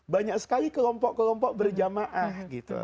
banyak sekali kelompok kelompok berjamaah gitu